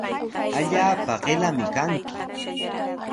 Allaapa qillami kanki.